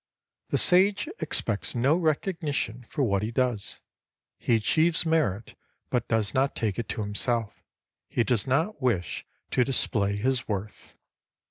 The Sage expects no recognition for what he does ; he achieves merit but does not take it to himself ; he does not wish to display his worth.